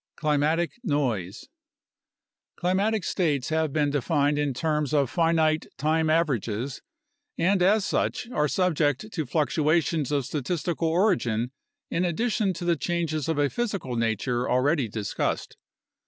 Climatic Noise Climatic states have been defined in terms of finite time averages and as such are subject to fluctuations of statistical origin in addition to the changes of a physical nature already discussed.